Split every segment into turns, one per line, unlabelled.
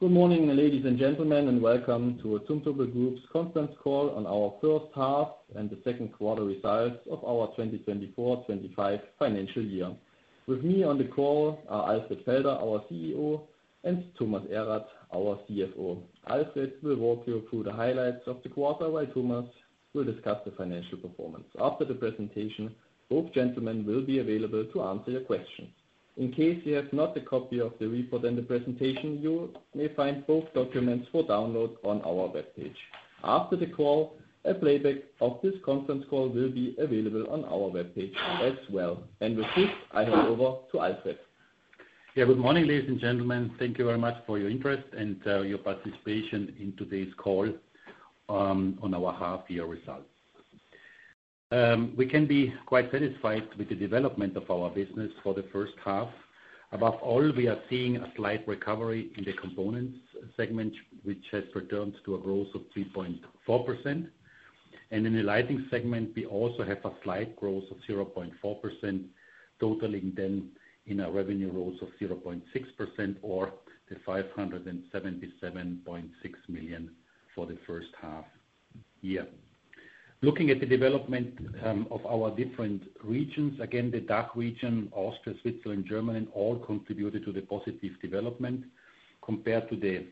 Good morning, ladies and gentlemen, and welcome to the Zumtobel Group's conference call on our first half and the second quarter results of our 2024-25 financial year. With me on the call are Alfred Felder, our CEO, and Thomas Erath, our CFO. Alfred will walk you through the highlights of the quarter, while Thomas will discuss the financial performance. After the presentation, both gentlemen will be available to answer your questions. In case you have not the copy of the report and the presentation, you may find both documents for download on our webpage. After the call, a playback of this conference call will be available on our webpage as well. And with this, I hand over to Alfred.
Yeah, good morning, ladies and gentlemen. Thank you very much for your interest and your participation in today's call on our half-year results. We can be quite satisfied with the development of our business for the first half. Above all, we are seeing a slight recovery in the components segment, which has returned to a growth of 3.4%. And in the lighting segment, we also have a slight growth of 0.4%, totaling then in our revenue growth of 0.6% or 577.6 million for the first half year. Looking at the development of our different regions, again, the DACH region, Austria, Switzerland, Germany, all contributed to the positive development. Compared to the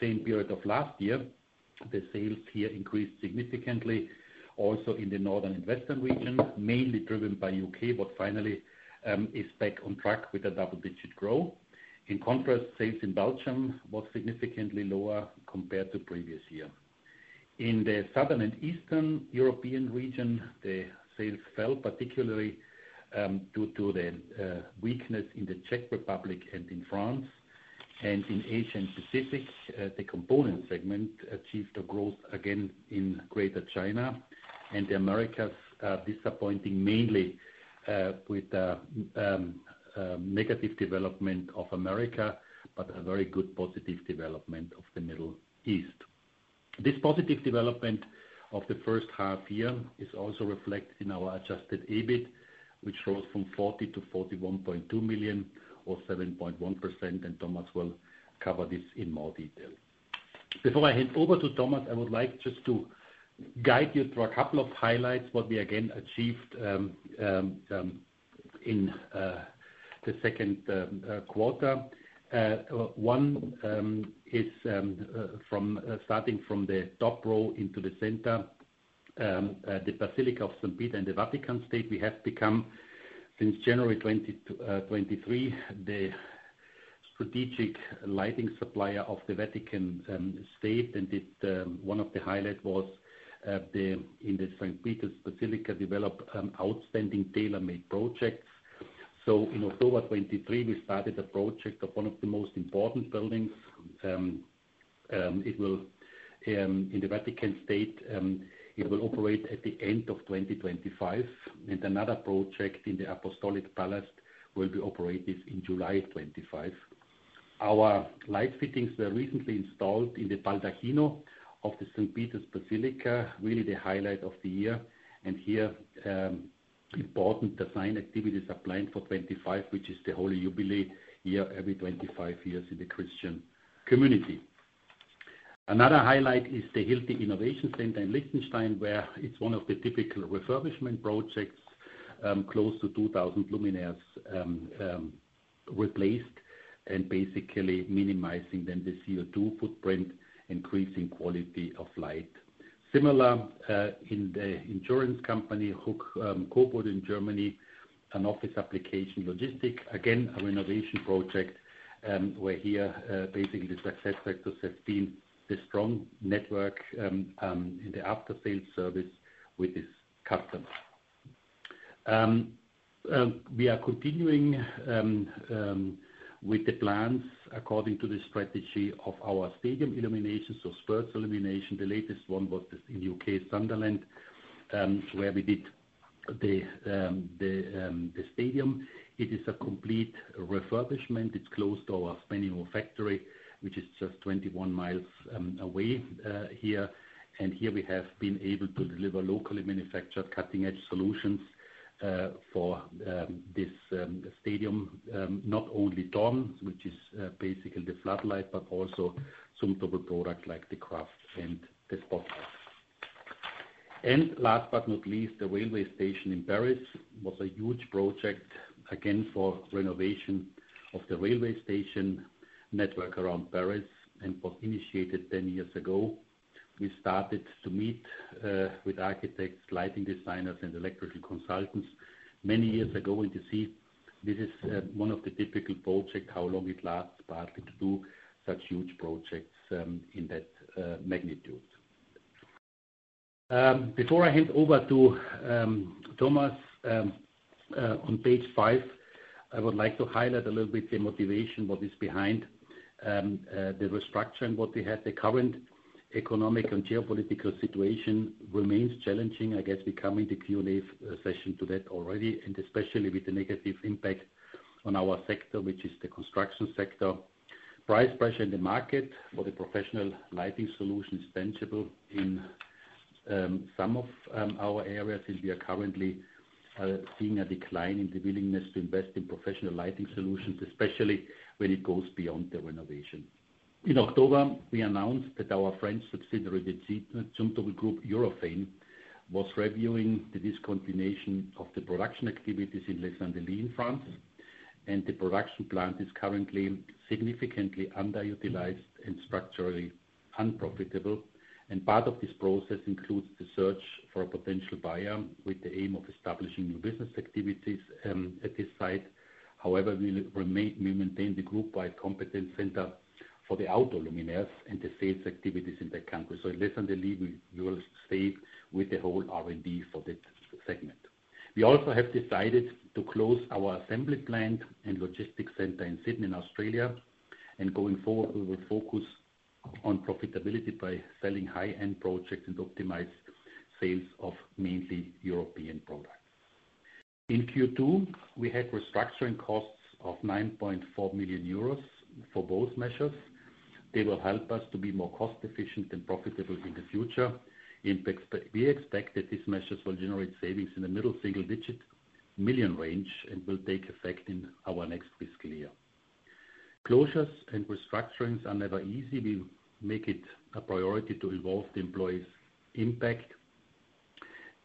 same period of last year, the sales here increased significantly, also in the Northern and Western region, mainly driven by the U.K., but [Finland] is back on track with a double-digit growth. In contrast, sales in Belgium were significantly lower compared to the previous year. In the Southern and Eastern European region, the sales fell, particularly due to the weakness in the Czech Republic and in France. In Asia and Pacific, the component segment achieved a growth again in Greater China. The Americas are disappointing, mainly with the negative development of America, but a very good positive development of the Middle East. This positive development of the first half year is also reflected in our adjusted EBIT, which rose from 40 million to 41.2 million, or 7.1%, and Thomas will cover this in more detail. Before I hand over to Thomas, I would like just to guide you through a couple of highlights, what we again achieved in the second quarter. One is starting from the top row into the center, St. Peter's Basilica and the Vatican State. We have become, since January 2023, the strategic lighting supplier of the Vatican State, and one of the highlights was in the St. Peter's Basilica, developed outstanding tailor-made projects. In October 2023, we started a project of one of the most important buildings. In the Vatican State, it will operate at the end of 2025, and another project in the Apostolic Palace will be operated in July 2025. Our light fittings were recently installed in the Baldacchino of the St. Peter's Basilica, really the highlight of the year, and here important design activities are planned for 2025, which is the Holy Jubilee year every 25 years in the Christian community. Another highlight is the Hilti Innovation Center in Liechtenstein, where it's one of the typical refurbishment projects, close to 2,000 luminaires replaced, and basically minimizing then the CO2 footprint, increasing quality of light. Similar in the insurance company, HU.K.-COBURG in Germany, an office application logistics, again, a renovation project, where here basically the success factors have been the strong network in the after-sales service with this customer. We are continuing with the plans according to the strategy of our stadium illumination, so sports illumination. The latest one was in the U.K., Sunderland, where we did the stadium. It is a complete refurbishment. It's close to our Spennymoor factory, which is just 21 mi away here, and here we have been able to deliver locally manufactured cutting-edge solutions for this stadium, not only [DOM], which is basically the floodlight, but also Zumtobel products like the CRAFT and the spotlight, and last but not least, the railway station in Paris was a huge project, again, for renovation of the railway station network around Paris and was initiated 10 years ago. We started to meet with architects, lighting designers, and electrical consultants many years ago and to see this is one of the typical projects, how long it lasts to do such huge projects in that magnitude. Before I hand over to Thomas, on page five, I would like to highlight a little bit the motivation, what is behind the restructuring, what we have. The current economic and geopolitical situation remains challenging. I guess we come into Q&A session to that already, and especially with the negative impact on our sector, which is the construction sector. Price pressure in the market for the professional lighting solution is tangible in some of our areas, and we are currently seeing a decline in the willingness to invest in professional lighting solutions, especially when it goes beyond the renovation. In October, we announced that our French subsidiary Zumtobel Group Europhane was reviewing the discontinuation of the production activities in Les Andelys in France, and the production plant is currently significantly underutilized and structurally unprofitable, and part of this process includes the search for a potential buyer with the aim of establishing new business activities at this site. However, we maintain the group-wide competence center for the outdoor luminaires and the sales activities in the country, so in Les Andelys, we will stay with the whole R&D for this segment. We also have decided to close our assembly plant and logistics center in Sydney, in Australia, and going forward, we will focus on profitability by selling high-end projects and optimize sales of mainly European products. In Q2, we had restructuring costs of 9.4 million euros for both measures. They will help us to be more cost-efficient and profitable in the future. We expect that these measures will generate savings in the middle single-digit million euro range and will take effect in our next fiscal year. Closures and restructurings are never easy. We make it a priority to involve the employees' impact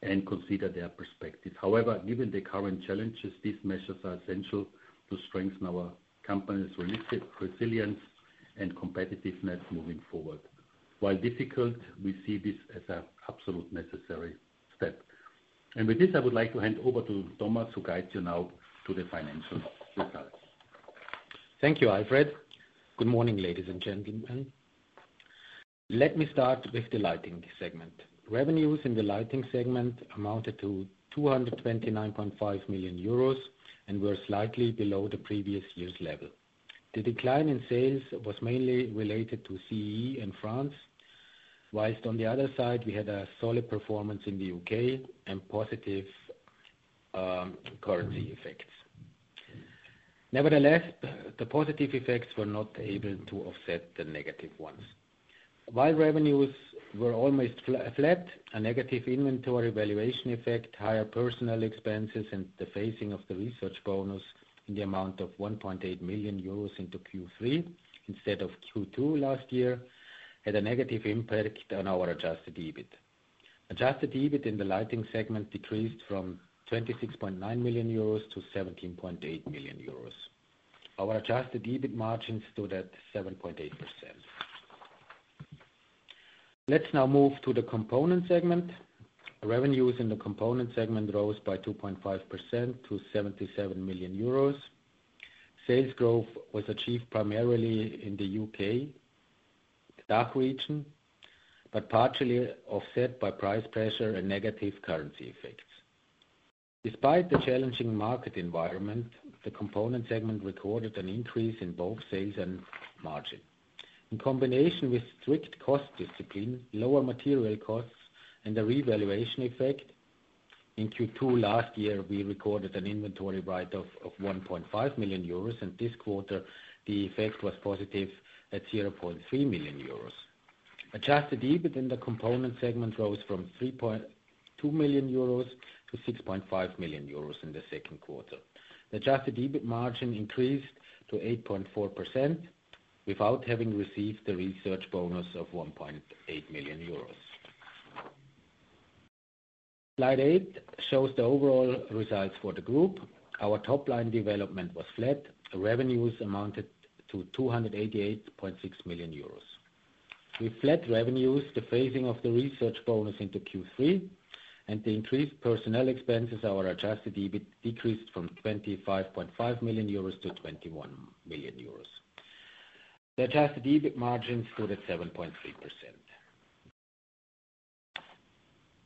and consider their perspective. However, given the current challenges, these measures are essential to strengthen our company's resilience and competitiveness moving forward. While difficult, we see this as an absolute necessary step, and with this, I would like to hand over to Thomas to guide you now to the financial results.
Thank you, Alfred. Good morning, ladies and gentlemen. Let me start with the lighting segment. Revenues in the lighting segment amounted to 229.5 million euros and were slightly below the previous year's level. The decline in sales was mainly related to CEE and France, whilst on the other side, we had a solid performance in the U.K. and positive currency effects. Nevertheless, the positive effects were not able to offset the negative ones. While revenues were almost flat, a negative inventory valuation effect, higher personal expenses, and the phasing of the research bonus in the amount of 1.8 million euros into Q3 instead of Q2 last year had a negative impact on our adjusted EBIT. Adjusted EBIT in the lighting segment decreased from 26.9 million euros to 17.8 million euros. Our adjusted EBIT margins stood at 7.8%. Let's now move to the component segment. Revenues in the component segment rose by 2.5% to 77 million euros. Sales growth was achieved primarily in the U.K., DACH region, but partially offset by price pressure and negative currency effects. Despite the challenging market environment, the component segment recorded an increase in both sales and margin. In combination with strict cost discipline, lower material costs, and the revaluation effect, in Q2 last year, we recorded an inventory write-off of 1.5 million euros, and this quarter, the effect was positive at 0.3 million euros. Adjusted EBIT in the component segment rose from 3.2 million euros to 6.5 million euros in the second quarter. The adjusted EBIT margin increased to 8.4% without having received the research bonus of 1.8 million euros. Slide eight shows the overall results for the group. Our top-line development was flat. Revenues amounted to 288.6 million euros. With flat revenues, the phasing of the research bonus into Q3, and the increased personnel expenses, our adjusted EBIT decreased from 25.5 million euros to 21 million euros. The adjusted EBIT margin stood at 7.3%.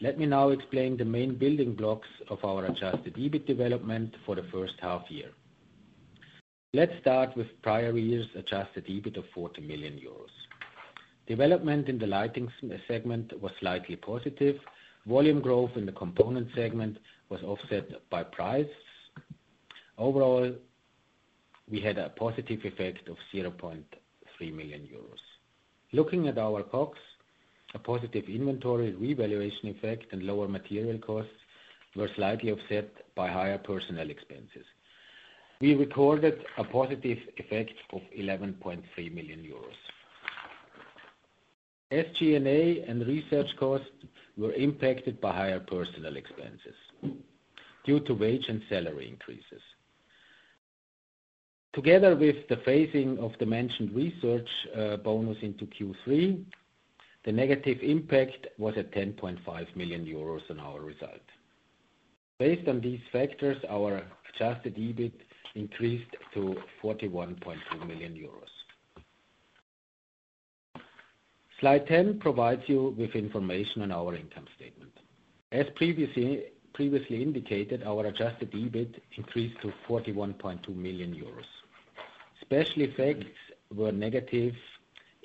Let me now explain the main building blocks of our adjusted EBIT development for the first half year. Let's start with prior year's adjusted EBIT of 40 million euros. Development in the lighting segment was slightly positive. Volume growth in the component segment was offset by price. Overall, we had a positive effect of 0.3 million euros. Looking at our COGS, a positive inventory revaluation effect and lower material costs were slightly offset by higher personnel expenses. We recorded a positive effect of 11.3 million euros. SG&A and research costs were impacted by higher personnel expenses due to wage and salary increases. Together with the phasing of the mentioned research bonus into Q3, the negative impact was at 10.5 million euros in our result. Based on these factors, our adjusted EBIT increased to 41.2 million euros. Slide 10 provides you with information on our income statement. As previously indicated, our adjusted EBIT increased to 41.2 million euros. Special effects were negative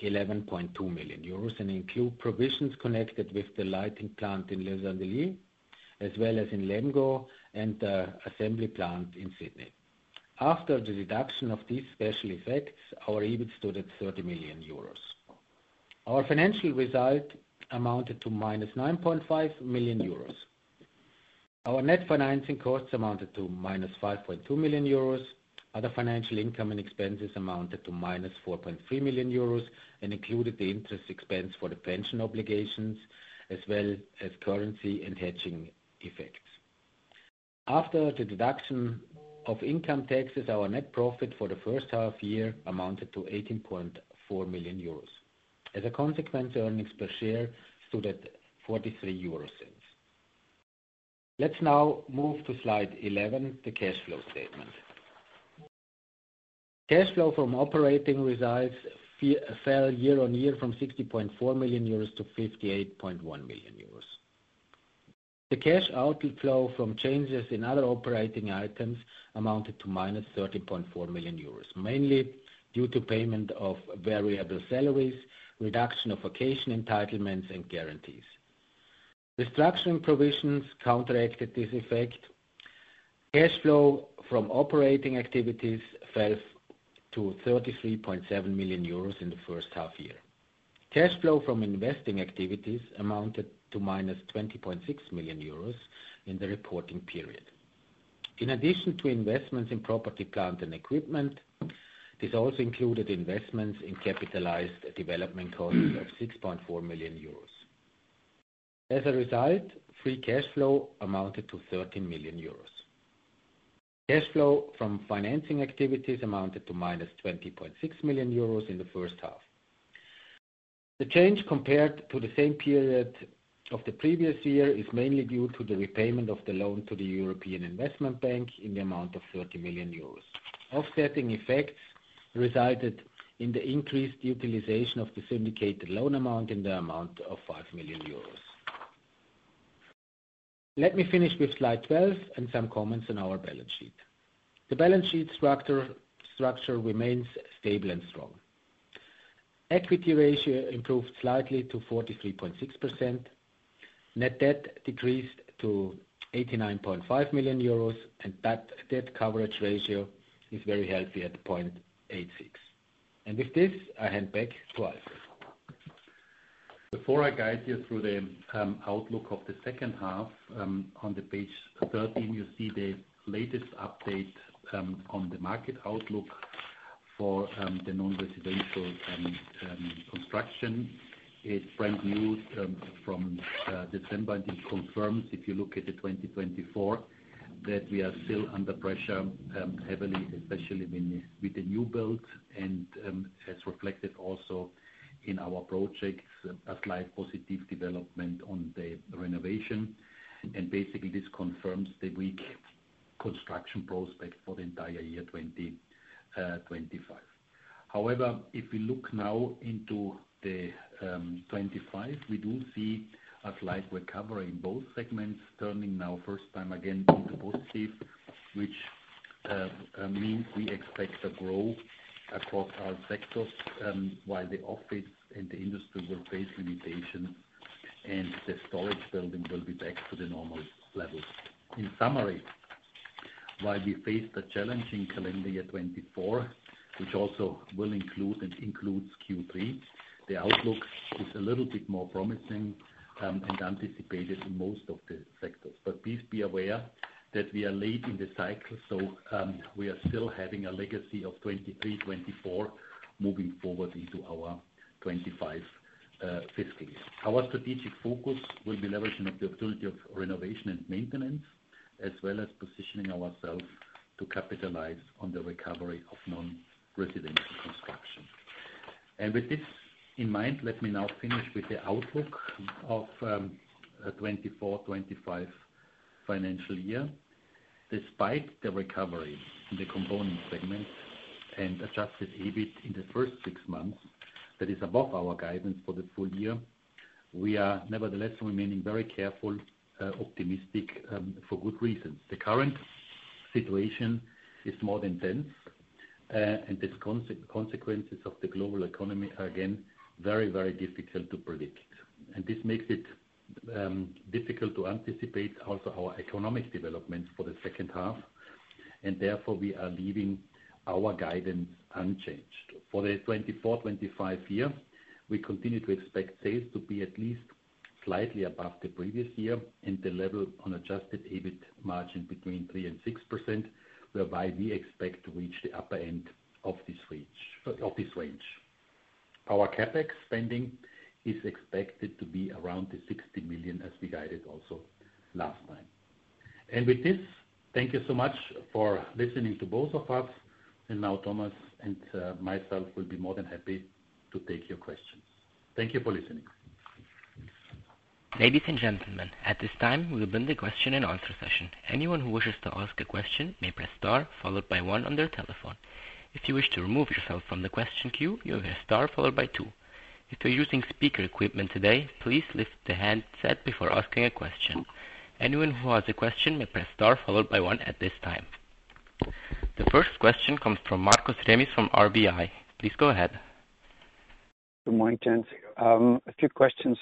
11.2 million euros and include provisions connected with the lighting plant in Les Andelys, as well as in Lemgo and the assembly plant in Sydney. After the deduction of these special effects, our EBIT stood at 30 million euros. Our financial result amounted to minus 9.5 million euros. Our net financing costs amounted to minus 5.2 million euros. Other financial income and expenses amounted to minus 4.3 million euros and included the interest expense for the pension obligations, as well as currency and hedging effects. After the deduction of income taxes, our net profit for the first half year amounted to 18.4 million euros. As a consequence, earnings per share stood at 0.43. Let's now move to slide 11, the cash flow statement. Cash flow from operating results fell year on year from 60.4 million euros to 58.1 million euros. The cash outflow from changes in other operating items amounted to -13.4 million euros, mainly due to payment of variable salaries, reduction of vacation entitlements, and guarantees. Restructuring provisions counteracted this effect. Cash flow from operating activities fell to 33.7 million euros in the first half year. Cash flow from investing activities amounted to -20.6 million euros in the reporting period. In addition to investments in property, plant and equipment, this also included investments in capitalized development costs of 6.4 million euros. As a result, free cash flow amounted to 13 million euros. Cash flow from financing activities amounted to minus 20.6 million euros in the first half. The change compared to the same period of the previous year is mainly due to the repayment of the loan to the European Investment Bank in the amount of 30 million euros. Offsetting effects resulted in the increased utilization of the syndicated loan amount in the amount of 5 million euros. Let me finish with slide 12 and some comments on our balance sheet. The balance sheet structure remains stable and strong. Equity ratio improved slightly to 43.6%. Net debt decreased to 89.5 million euros, and debt coverage ratio is very healthy at 0.86. With this, I hand back to Alfred.
Before I guide you through the outlook of the second half, on page 13, you see the latest update on the market outlook for the non-residential construction. It's brand new from December, and it confirms, if you look at 2024, that we are still under pressure heavily, especially with the new build, and as reflected also in our projects, a slight positive development on the renovation. Basically, this confirms the weak construction prospect for the entire year 2025. However, if we look now into 2025, we do see a slight recovery in both segments, turning now first time again into positive, which means we expect a growth across all sectors, while the office and the industry will face limitations, and the storage building will be back to the normal levels. In summary, while we face the challenging calendar year 2024, which also will include and includes Q3, the outlook is a little bit more promising and anticipated in most of the sectors, but please be aware that we are late in the cycle, so we are still having a legacy of 2023, 2024 moving forward into our 2025 fiscal year. Our strategic focus will be leveraging the opportunity of renovation and maintenance, as well as positioning ourselves to capitalize on the recovery of non-residential construction, and with this in mind, let me now finish with the outlook of the 2024-2025 financial year. Despite the recovery in the component segment and adjusted EBIT in the first six months that is above our guidance for the full year, we are nevertheless remaining very careful, optimistic for good reasons. The current situation is more than tense, and the consequences of the global economy are again very, very difficult to predict, and this makes it difficult to anticipate also our economic development for the second half, and therefore, we are leaving our guidance unchanged. For the 2024-2025 year, we continue to expect sales to be at least slightly above the previous year in the level on adjusted EBIT margin between 3% and 6%, whereby we expect to reach the upper end of this range. Our CapEx spending is expected to be around 60 million, as we guided also last time, and with this, thank you so much for listening to both of us, and now Thomas and myself will be more than happy to take your questions. Thank you for listening.
Ladies and gentlemen, at this time, we'll begin the question and answer session. Anyone who wishes to ask a question may press star followed by one on their telephone. If you wish to remove yourself from the question queue, you'll press star followed by two. If you're using speaker equipment today, please lift the handset before asking a question. Anyone who has a question may press star followed by one at this time. The first question comes from Markus Remis from RBI. Please go ahead.
Good morning, gents. A few questions,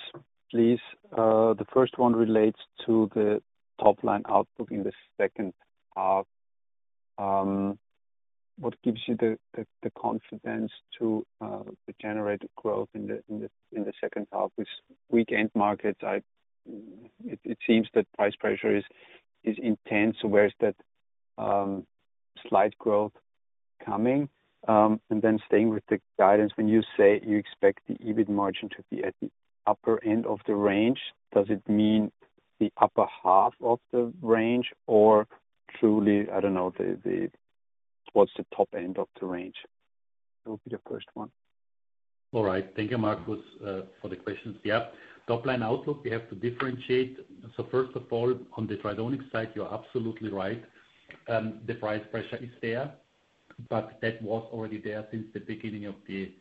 please. The first one relates to the top-line outlook in the second half. What gives you the confidence to generate growth in the second half? With weak end markets, it seems that price pressure is intense. Where's that slight growth coming? And then staying with the guidance, when you say you expect the EBIT margin to be at the upper end of the range, does it mean the upper half of the range, or truly, I don't know, what's the top end of the range? That would be the first one.
All right. Thank you, Markus, for the questions. Yeah. Top-line outlook, we have to differentiate. So first of all, on the Tridonic side, you're absolutely right. The price pressure is there, but that was already there since the beginning of the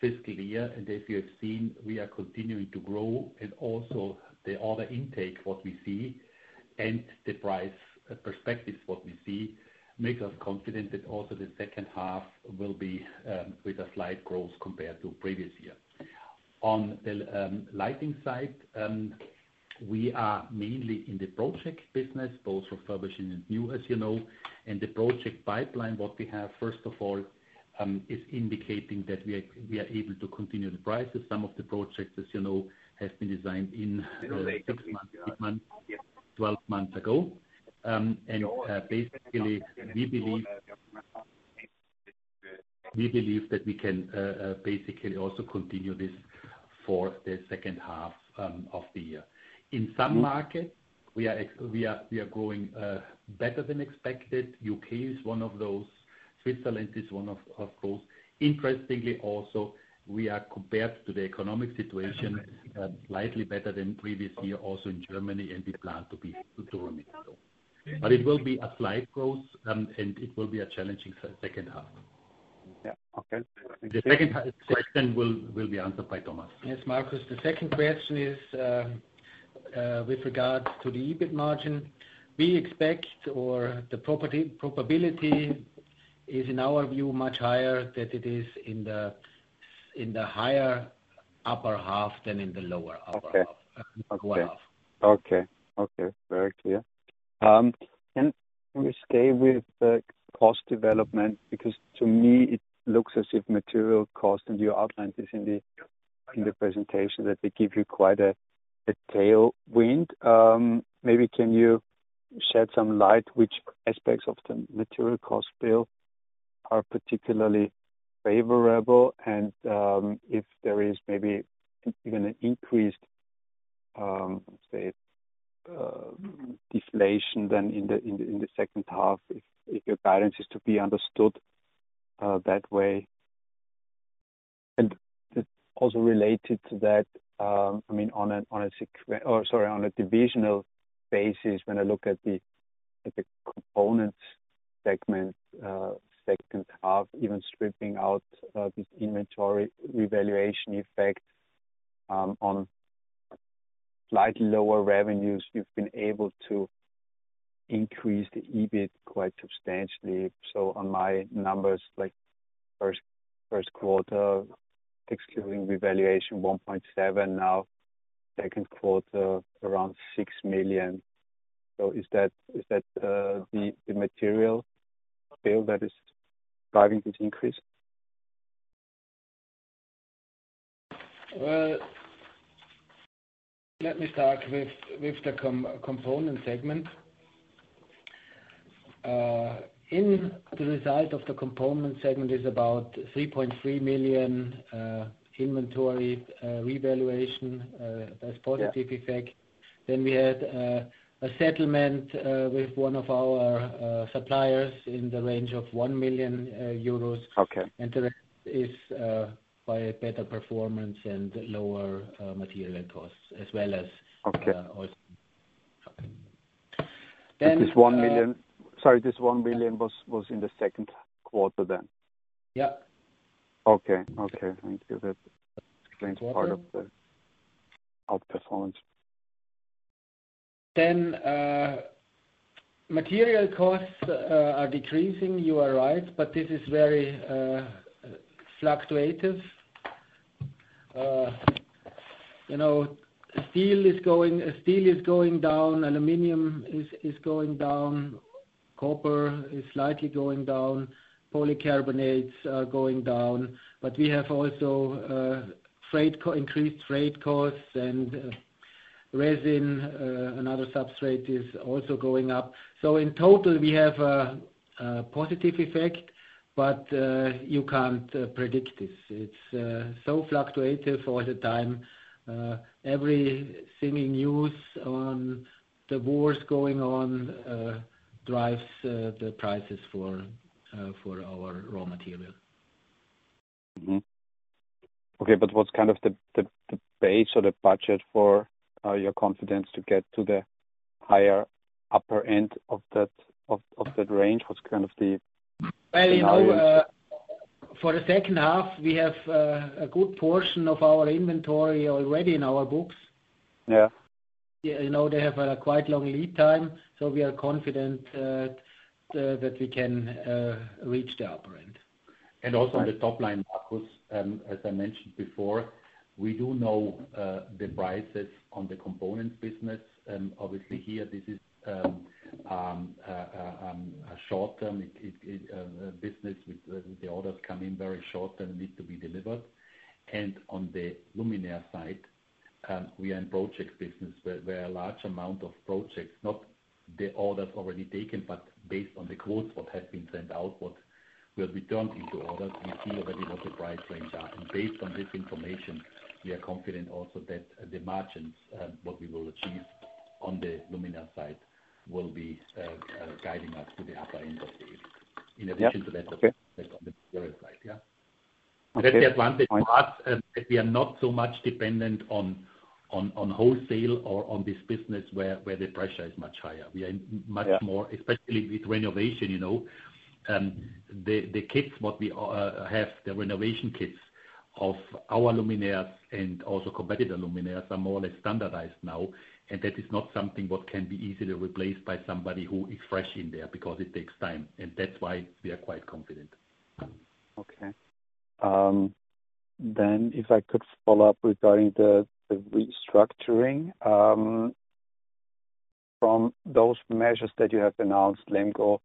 fiscal year. And as you have seen, we are continuing to grow. And also, the order intake, what we see, and the price perspectives, what we see, makes us confident that also the second half will be with a slight growth compared to the previous year. On the lighting side, we are mainly in the project business, both refurbishing and new, as you know. And the project pipeline, what we have, first of all, is indicating that we are able to continue the prices. Some of the projects, as you know, have been designed in six months, 12 months ago. Basically, we believe that we can basically also continue this for the second half of the year. In some markets, we are growing better than expected. U.K. is one of those. Switzerland is one of those. Interestingly, also, we are compared to the economic situation slightly better than previous year, also in Germany, and we plan to remain so, but it will be a slight growth, and it will be a challenging second half.
Yeah. Okay.
The second question will be answered by Thomas.
Yes, Markus. The second question is with regards to the EBIT margin. We expect, or the probability is, in our view, much higher that it is in the higher upper half than in the lower upper half.
Okay. Very clear. Can we stay with the cost development? Because to me, it looks as if material cost, and you outlined this in the presentation, that they give you quite a tailwind. Maybe can you shed some light on which aspects of the material cost bill are particularly favorable? And if there is maybe even an increased, say, deflation then in the second half, if your guidance is to be understood that way. And also related to that, I mean, on a divisional basis, when I look at the components segment, second half, even stripping out this inventory revaluation effect on slightly lower revenues, you've been able to increase the EBIT quite substantially. So on my numbers, first quarter, excluding revaluation, 1.7 million. Now, second quarter, around 6 million. So is that the material bill that is driving this increase?
Let me start with the component segment. In the result of the component segment, it's about 3.3 million inventory revaluation as positive effect. Then we had a settlement with one of our suppliers in the range of 1 million euros. And the rest is by better performance and lower material costs, as well as also.
Okay. This 1 million, sorry, this 1 million was in the second quarter then?
Yeah.
Okay. Okay. Thank you. That explains part of the outperformance.
Material costs are decreasing. You are right, but this is very fluctuating. Steel is going down, aluminum is going down, copper is slightly going down, polycarbonates are going down. But we have also increased freight costs, and resin, another substrate, is also going up. So in total, we have a positive effect, but you can't predict this. It's so fluctuating all the time. Every single news on the wars going on drives the prices for our raw material.
Okay. But what's kind of the base or the budget for your confidence to get to the higher upper end of that range? What's kind of the.
For the second half, we have a good portion of our inventory already in our books. They have a quite long lead time, so we are confident that we can reach the upper end.
Also on the top line, Markus, as I mentioned before, we do know the prices on the components business. Obviously, here, this is a short-term business with the orders coming very short and need to be delivered. On the luminaire side, we are in project business where a large amount of projects, not the orders already taken, but based on the quotes, what has been sent out, what will be turned into orders, we see already what the price range are. Based on this information, we are confident also that the margins, what we will achieve on the luminaire side, will be guiding us to the upper end of the EBIT, in addition to that on the material side. Yeah. That's the advantage for us that we are not so much dependent on wholesale or on this business where the pressure is much higher. We are much more, especially with renovation, the kits, what we have, the renovation kits of our luminaires and also competitor luminaires are more or less standardized now. And that is not something what can be easily replaced by somebody who is fresh in there because it takes time. And that's why we are quite confident.
Okay. Then if I could follow up regarding the restructuring, from those measures that you have announced, Lemgo,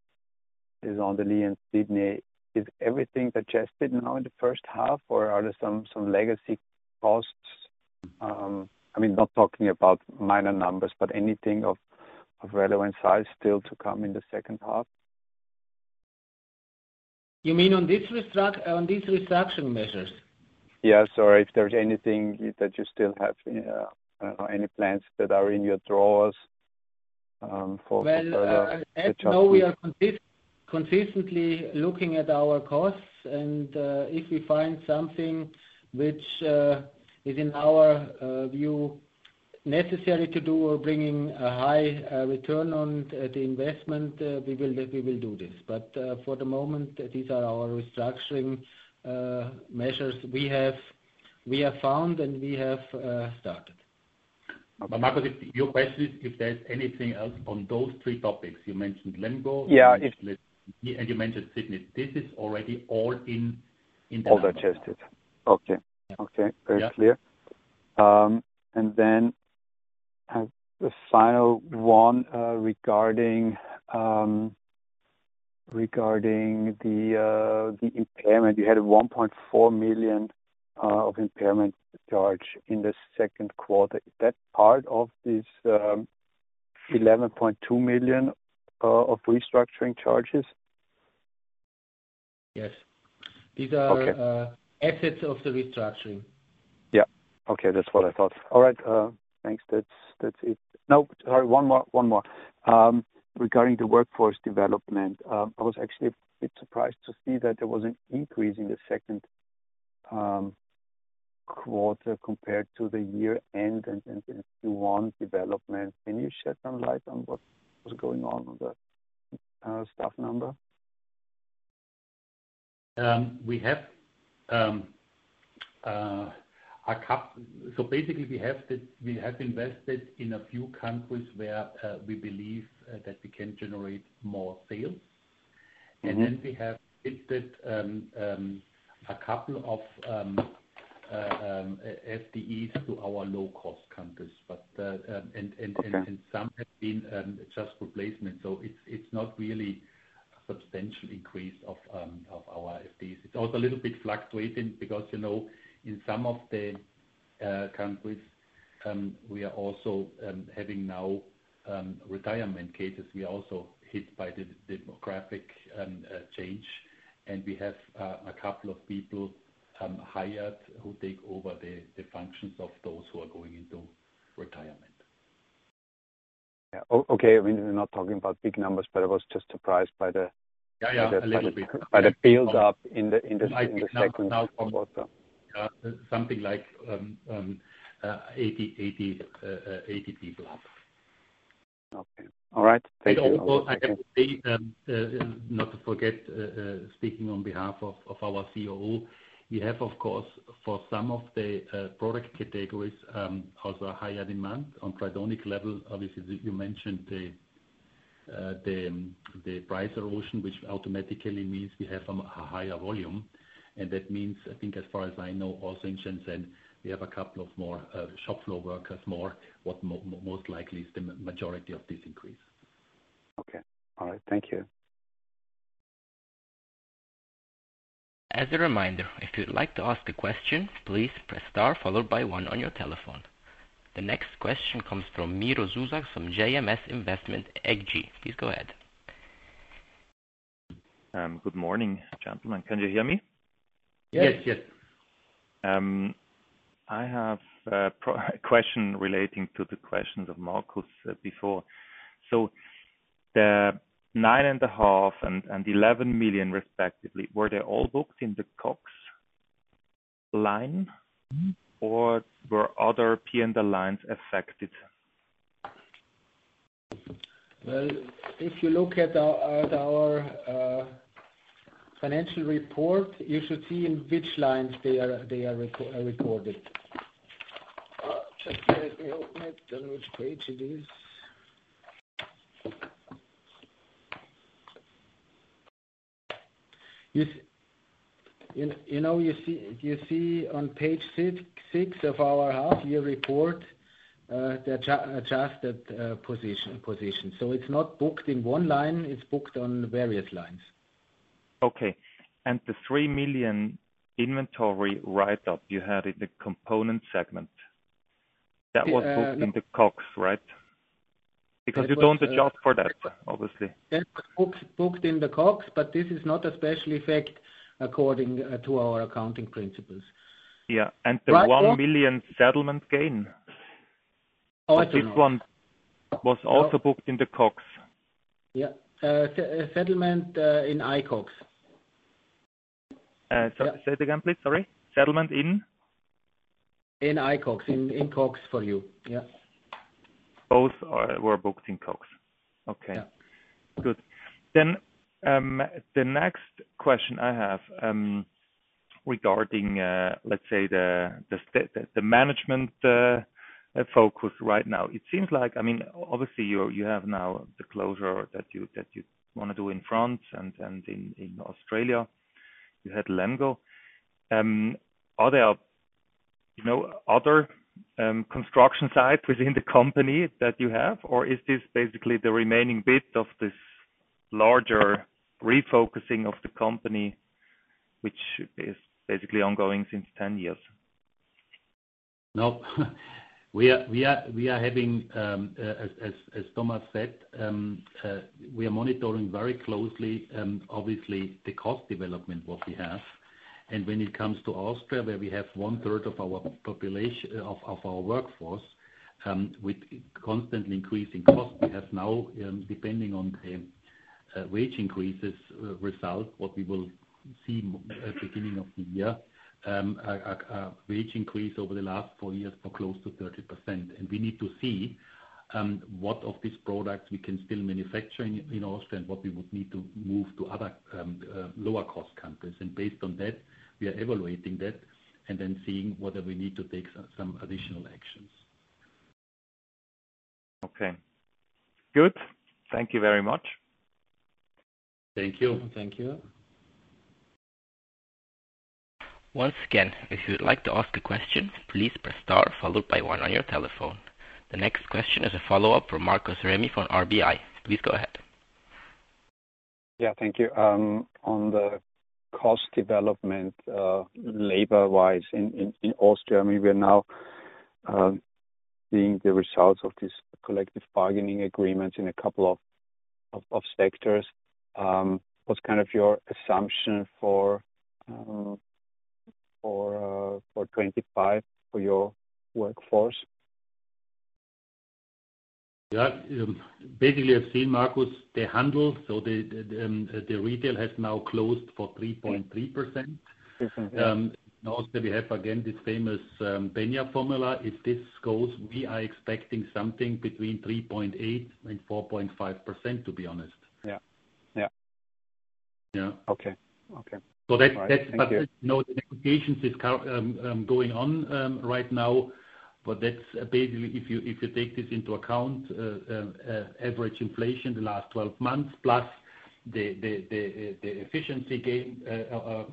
Les Andelys, and Sydney, is everything adjusted now in the first half, or are there some legacy costs? I mean, not talking about minor numbers, but anything of relevant size still to come in the second half?
You mean on these restructuring measures?
Yeah. Sorry. If there's anything that you still have, I don't know, any plans that are in your drawers for.
As you know, we are consistently looking at our costs. If we find something which is, in our view, necessary to do or bringing a high return on the investment, we will do this. For the moment, these are our restructuring measures we have found and we have started.
Markus, your question is if there's anything else on those three topics. You mentioned Lemgo.
Yeah.
And you mentioned Sydney. This is already all in.
All adjusted. Okay. Okay. Very clear. Then the final one regarding the impairment. You had a 1.4 million of impairment charge in the second quarter. Is that part of this 11.2 million of restructuring charges?
Yes. These are assets of the restructuring.
Yeah. Okay. That's what I thought. All right. Thanks. That's it. No, sorry. One more. Regarding the workforce development, I was actually a bit surprised to see that there was an increase in the second quarter compared to the year-end and Q1 development. Can you shed some light on what was going on the staff number?
We have a couple, so basically, we have invested in a few countries where we believe that we can generate more sales, and then we have listed a couple of FTEs to our low-cost countries, and some have been just replacement, so it's not really a substantial increase of our FTEs. It's also a little bit fluctuating because in some of the countries, we are also having now retirement cases. We are also hit by the demographic change, and we have a couple of people hired who take over the functions of those who are going into retirement.
Yeah. Okay. I mean, we're not talking about big numbers, but I was just surprised by the.
Yeah. A little bit.
By the build-up in the second quarter.
Yeah. Something like 80 people up.
Okay. All right. Thank you.
And also, I have to say, not to forget, speaking on behalf of our COO, we have, of course, for some of the product categories, also a higher demand on Tridonic level. Obviously, you mentioned the price erosion, which automatically means we have a higher volume. And that means, I think, as far as I know, also in Shenzhen, we have a couple of more shop floor workers, what most likely is the majority of this increase.
Okay. All right. Thank you.
As a reminder, if you'd like to ask a question, please press star followed by one on your telephone. The next question comes from Miro Zuzak from JMS Invest AG. Please go ahead.
Good morning, gentlemen. Can you hear me?
Yes. Yes.
I have a question relating to the questions of Markus before. So the 9.5 million and 11 million, respectively, were they all booked in the COGS line? Or were other P&L lines affected?
If you look at our financial report, you should see in which lines they are recorded. Just let me open it and which page it is. You see on page six of our half-year report, the adjusted position. It's not booked in one line. It's booked on various lines.
Okay. And the 3 million inventory write-up you had in the component segment, that was booked in the COGS, right? Because you don't adjust for that, obviously.
That was booked in the COGS, but this is not a special effect according to our accounting principles.
Yeah. And the 1 million settlement gain?
Also.
This one was also booked in the COGS?
Yeah. Settlement in COGS.
Say it again, please. Sorry. Settlement in?
In COGS. In COGS for you. Yeah.
Both were booked in COGS. Okay. Good. Then the next question I have regarding, let's say, the management focus right now. It seems like, I mean, obviously, you have now the closure that you want to do in France and in Australia. You had Lemgo. Are there other construction sites within the company that you have? Or is this basically the remaining bit of this larger refocusing of the company, which is basically ongoing since 10 years?
No. We are having, as Thomas said, we are monitoring very closely, obviously, the cost development what we have. When it comes to Austria, where we have 1/3 of our workforce with constantly increasing costs, we have now, depending on the wage increases result, what we will see at the beginning of the year, a wage increase over the last four years for close to 30%. We need to see what of these products we can still manufacture in Austria and what we would need to move to other lower-cost countries. Based on that, we are evaluating that and then seeing whether we need to take some additional actions.
Okay. Good. Thank you very much.
Thank you.
Thank you.
Once again, if you'd like to ask a question, please press star followed by one on your telephone. The next question is a follow-up from Markus Remis from RBI. Please go ahead.
Yeah. Thank you. On the cost development, labor-wise in Austria, I mean, we are now seeing the results of these collective bargaining agreements in a couple of sectors. What's kind of your assumption for 2025 for your workforce?
Yeah. Basically, I've seen, Markus, the annual, so the retail has now closed at 3.3%. In Austria, we have, again, this famous Benya formula. If this goes, we are expecting something between 3.8% and 4.5%, to be honest.
Yeah. Yeah. Okay. Okay.
But the negotiations are going on right now. But that's basically, if you take this into account, average inflation the last 12 months plus the efficiency gain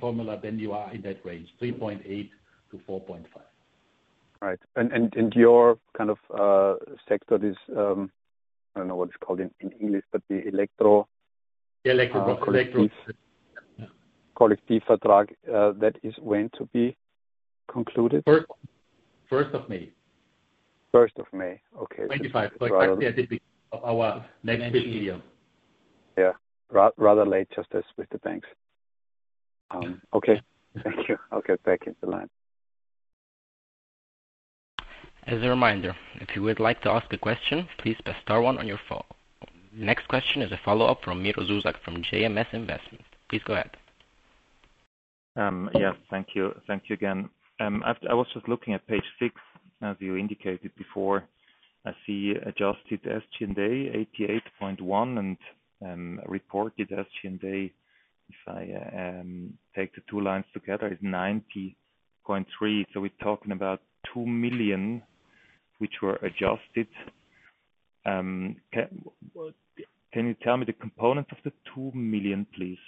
formula, then you are in that range, 3.8-4.5.
Right. And your kind of sector, I don't know what it's called in English, but the Electro.
The Electro.
Kollektivvertrag, that is, when to be concluded?
1st of May.
1st of May. Okay.
25th. 25th, yeah, our next meeting.
Yeah. Rather late justice with the banks. Okay. Thank you. Okay. Back in the line.
As a reminder, if you would like to ask a question, please press star one on your phone. The next question is a follow-up from Miro Zuzak from JMS Invest. Please go ahead.
Yes. Thank you. Thank you again. I was just looking at page 6. As you indicated before, I see adjusted [EBITDA], 88.1, and reported [EBITDA], if I take the two lines together, is 90.3. So we're talking about 2 million, which were adjusted. Can you tell me the components of the 2 million, please?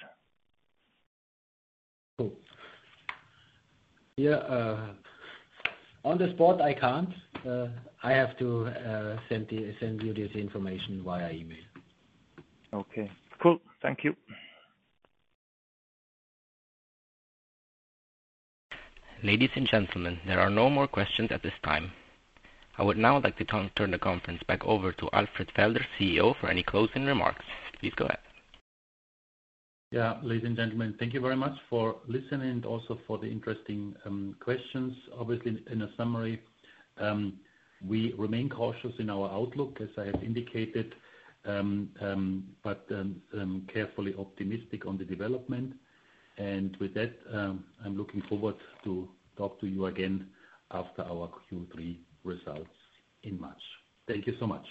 Yeah. On the spot, I can't. I have to send you this information via email.
Okay. Cool. Thank you.
Ladies and gentlemen, there are no more questions at this time. I would now like to turn the conference back over to Alfred Felder, CEO, for any closing remarks. Please go ahead.
Yeah. Ladies and gentlemen, thank you very much for listening and also for the interesting questions. Obviously, in a summary, we remain cautious in our outlook, as I have indicated, but carefully optimistic on the development. And with that, I'm looking forward to talk to you again after our Q3 results in March. Thank you so much.